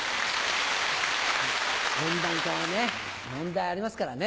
温暖化は問題ありますからね。